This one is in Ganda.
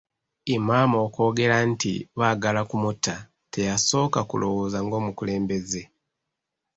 Imam okwogera nti baagala ku mutta, teyasooka kulowooza ng'omukulembeze.